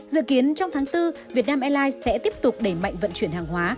dự kiến trong tháng bốn vietnam airlines sẽ tiếp tục đẩy mạnh vận chuyển hàng hóa